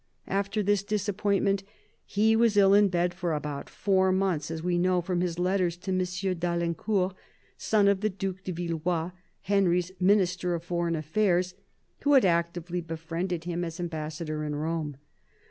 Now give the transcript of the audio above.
After this disappointment, he was ill in bed for about four months, as we know from his letters to M. d'Alincourt, son of the Due de Villeroy, Henry's Minister of Foreign Affairs, who had actively befriended him as ambassador in Rome.